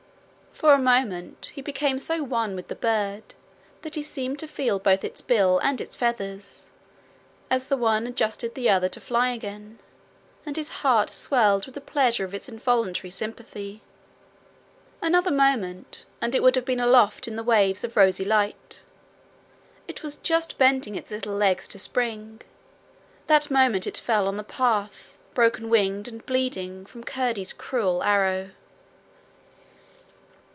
For a moment he became so one with the bird that he seemed to feel both its bill and its feathers, as the one adjusted the other to fly again, and his heart swelled with the pleasure of its involuntary sympathy. Another moment and it would have been aloft in the waves of rosy light it was just bending its little legs to spring: that moment it fell on the path broken winged and bleeding from Curdie's cruel arrow.